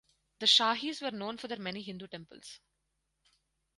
The Shahis were known for their many Hindu temples.